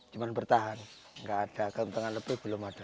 cuma bertahan nggak ada keuntungan lebih belum ada